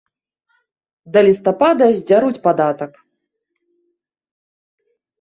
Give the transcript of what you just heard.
Да лістапада здзяруць падатак.